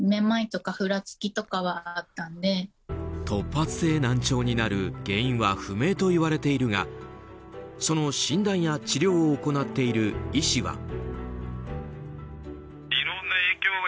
突発性難聴になる原因は不明といわれているがその診断や治療を行っている医師は。